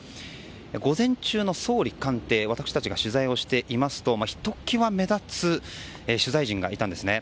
午前中の総理官邸私たちが取材をしていますとひときわ目立つ取材陣がいたんですね。